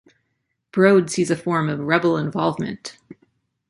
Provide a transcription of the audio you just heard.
Brode sees a form of rebel involvement.